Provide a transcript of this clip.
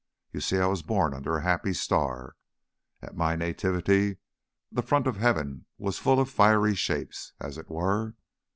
You see, I was born under a happy star; 'at my nativity the front of heaven was full of fiery shapes,' as it were.